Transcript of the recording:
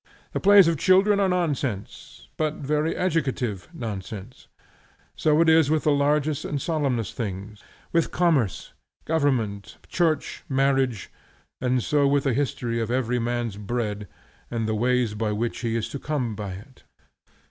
The plays of children are nonsense, but very educative nonsense. So it is with the largest and solemnest things, with commerce, government, church, marriage, and so with the history of every man's bread, and the ways by which he is to come by it.